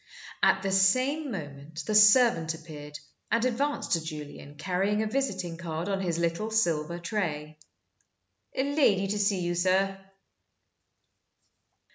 At the same moment the servant appeared, and advanced to Julian, carrying a visiting card on his little silver tray. "A lady to see you, sir."